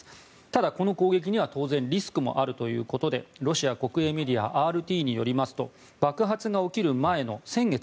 ただ、この攻撃には当然、リスクもあるということでロシア国営メディアＲＴによりますと爆発が起きる前の先月